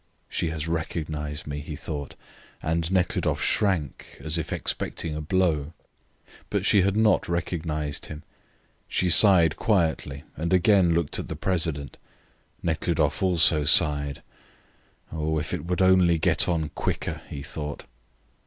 "She has recognised me," he thought, and Nekhludoff shrank as if expecting a blow. But she had not recognised him. She sighed quietly and again looked at the president. Nekhludoff also sighed. "Oh, if it would only get on quicker," he thought.